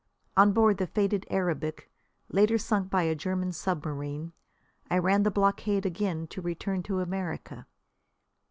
On board the fated Arabic, later sunk by a German submarine, I ran the blockade again to return to America.